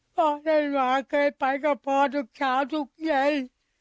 พ่อธันวาเคยไปกับพ่อทุกเช้าทุกเย็น